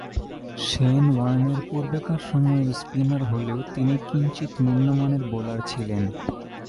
Shane ওয়ার্নের পূর্বেকার সময়ের স্পিনার হলেও তিনি কিঞ্চিৎ নিম্নমানের বোলার ছিলেন।